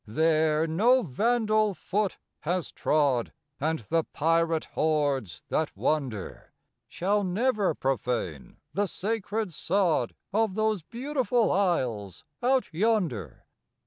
There no vandal foot has trod, And the pirate hordes that wander Shall never profane the sacred sod Of those beautiful isles out yonder.